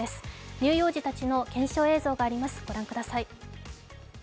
乳幼児たちの検証映像があります、ご覧ください。